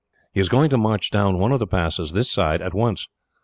He is going to march down one of the passes, this side, at once.